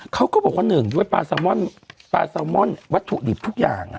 เขาก็บอกว่า๑ด้วยปลาซาวมอนด์ปลาซาวมอนด์วัตถุดิบทุกอย่างอ่ะ